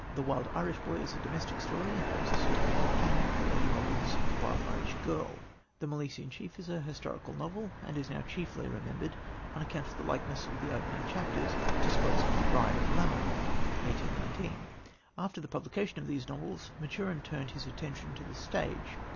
The Wild Irish Boy is a domestic story, and forms a suitable companion for Lady Morgan's Wild Irish Girl. The Milesian Chief is a historical novel, and is now chiefly remembered on account of the likeness of the opening chapters to Scott's Bride of Lammermoor (1819). After the publication of these novels, Maturin turned his attention to the stage.